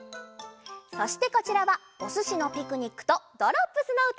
そしてこちらは「おすしのピクニック」と「ドロップスのうた」。